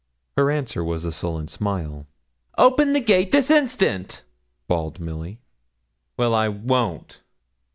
Her answer was a sullen smile. 'Open the gate this instant!' bawled Milly. 'Well, I _won't.